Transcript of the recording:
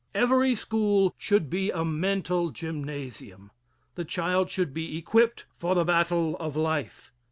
Every school should be a mental gymnasium. The child should be equipped for the battle of life.